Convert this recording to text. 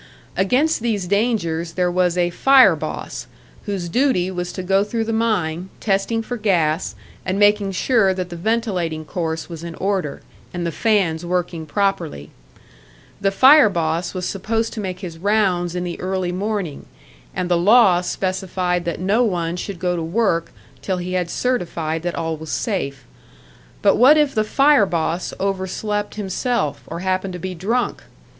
Against these dangers there was a "fire boss," whose duty was to go through the mine, testing for gas, and making sure that the ventilating course was in order, and the fans working properly. The "fire boss" was supposed to make his rounds in the early morning, and the law specified that no one should go to work till he had certified that all was safe. But what if the "fire boss" overslept himself, or happened to be drunk?